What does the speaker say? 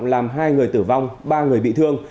làm hai người tử vong ba người bị thương